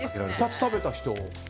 ２つ食べた人。